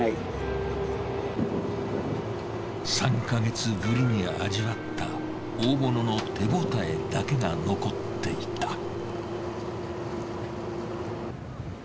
３か月ぶりに味わった大物の手ごたえだけが残っていた。